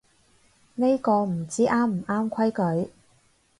呢個唔知啱唔啱規矩